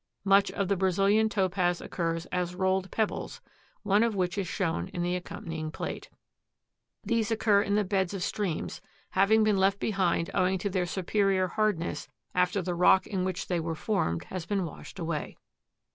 Much of the Brazilian Topaz occurs as rolled pebbles, one of which is shown in the accompanying plate. These occur in the beds of streams, having been left behind owing to their superior hardness after the rock in which they were formed has been washed away.